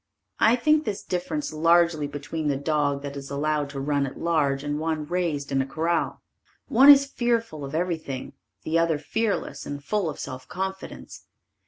I think this difference largely between the dog that is allowed to run at large and one raised in a corral. One is fearful of everything, the other fearless and full of self confidence.